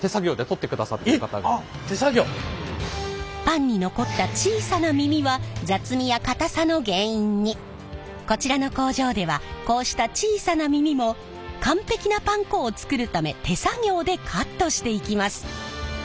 パンに残った小さな耳はこちらの工場ではこうした小さな耳も完璧なパン粉を作るため手作業でカットしていきます。